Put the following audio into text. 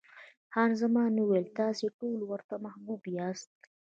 خان زمان وویل، تاسې ټوله ورته محبوب یاست.